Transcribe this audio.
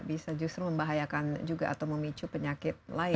bisa justru membahayakan juga atau memicu penyakit lain